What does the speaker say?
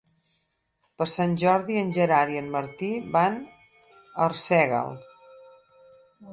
Per Sant Jordi en Gerard i en Martí van a Arsèguel.